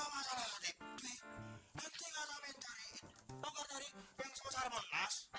pokoknya dari bank sosial emas